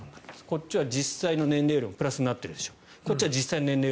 こっちは実際の年齢よりマイナスになっているでしょう。